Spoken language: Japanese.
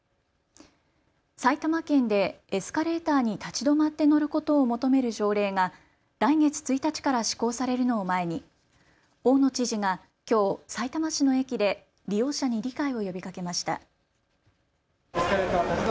埼玉県でエスカレーターに立ち止まって乗ることを求める条例が来月１日から施行されるのを前に大野知事がきょう、さいたま市の駅で利用者に理解を呼びかけました。